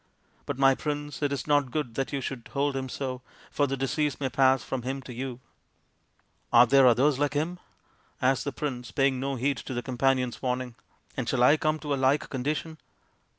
But, my Prince, it is not good that you should hold him so, for the disease may pass from him to you. 55 " Are there others like him ? 55 asked the prince, paying no heed to his companion^ warning, " and shall I come to a like condition